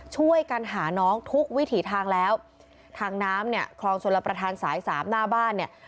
ช่วยกันหาน้องทุกวิถีทางแล้วทางน้ำเนี่ยคลองชลประธานสายสามหน้าบ้านเนี่ย